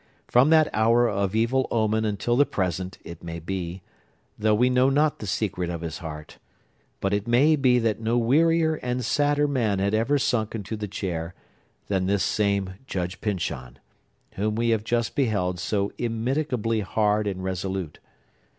From that hour of evil omen until the present, it may be,—though we know not the secret of his heart,—but it may be that no wearier and sadder man had ever sunk into the chair than this same Judge Pyncheon, whom we have just beheld so immitigably hard and resolute.